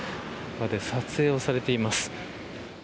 撮影をされています。